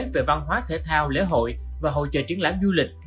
về văn hóa thể thao lễ hội và hội trợ triển lãm du lịch